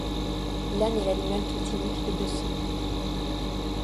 L'Âne est l'animal totémique de Bessan.